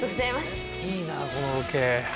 いいなあこのロケ。